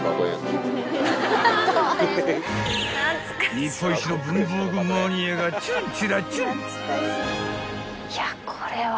［日本一の文房具マニアがチュンチュラチュン！］